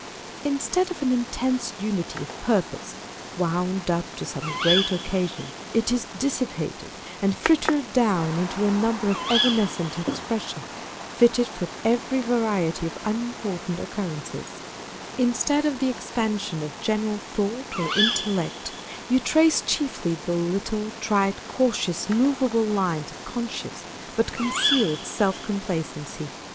Instead of an intense unity of purpose, wound up to some great occasion, it is dissipated and frittered down into a number of evanescent expressions, fitted for every variety of unimportant occurrences : instead of the expansion of general thought or intellect, you trace chiefly the little, trite, cautious, movable lines of con scious but concealed self complacency.